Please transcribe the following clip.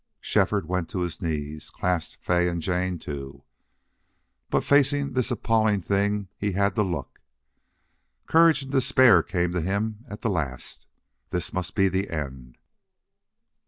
Shefford went to his knees, clasped Fay, and Jane, too. But facing this appalling thing he had to look. Courage and despair came to him at the last. This must be the end.